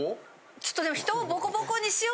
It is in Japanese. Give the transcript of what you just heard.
ちょっとでも。